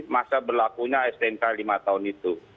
masa berlakunya stnk lima tahun itu